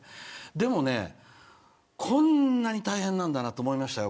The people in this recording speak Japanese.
でもね、こんなに大変なんだなって思いましたよ